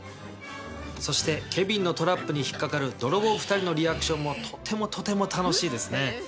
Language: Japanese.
そしてケビンのトラップに引っ掛かる泥棒２人のリアクションもとてもとても楽しいですね。